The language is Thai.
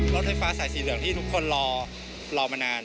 รถไฟฟ้าสายสีเหลืองที่ทุกคนรอมานาน